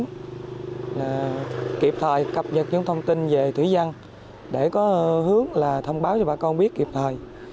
chúng tôi kịp thời cập nhật những thông tin về thủy văn để có hướng là thông báo cho bà con biết kịp thời